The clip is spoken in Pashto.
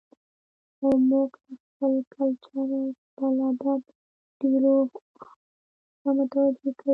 او موږ د خپل کلچر او خپل ادب ډېرو خاميو ته متوجه کوي.